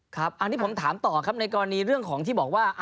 ครับอันนี้ผมถามต่อครับในกรณีเรื่องของที่บอกว่า